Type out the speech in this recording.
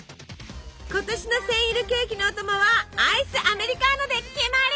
今年のセンイルケーキのお供はアイスアメリカーノで決まり！